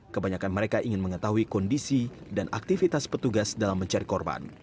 kebanyakan mereka ingin mengetahui kondisi dan aktivitas petugas dalam mencari korban